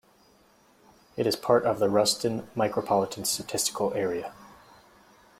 It is part of the Ruston Micropolitan Statistical Area.